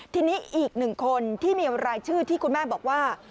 ทีนี้อีกหนึ่งคนที่มีรายชื่อที่คุณแม่บอกว่า